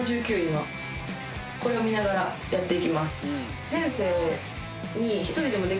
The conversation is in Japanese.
今これを見ながらやっていきます